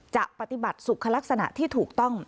จะปฏิบัติสุขลักษณะที่ถูกต้อง